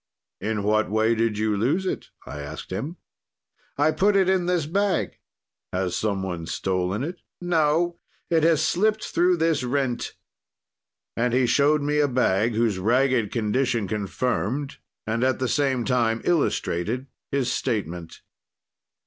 "In what way did you lose it?" I asked him. "'I put it in this bag.' "'Has some one stolen it?' "'No, it has slipt through this rent.' "And he showed me a bag, whose ragged condition confirmed, and at the same time illustrated his statement.